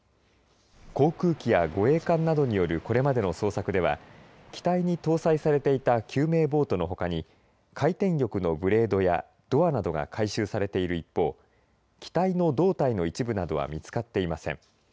航空機や護衛艦などによるこれまでの捜索では機体に搭載されていた救命ボートのほかに回転翼ブレードやドアなどが回収されている一方機体の胴体の一部などは見つかっていません。